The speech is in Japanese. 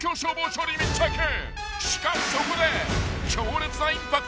［しかしそこで］